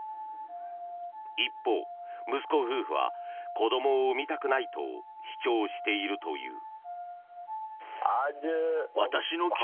一方、息子夫婦は子どもを生みたくないと主張しているという。